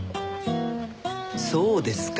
そうですか。